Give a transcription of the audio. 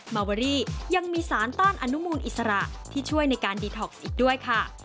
มาเวอรี่ยังมีสารต้านอนุมูลอิสระที่ช่วยในการดีท็อกซ์อีกด้วยค่ะ